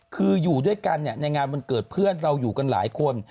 คืออยู่ด้วยกันในงานวันเกิดเพื่อนเราอยู่กันหลายคน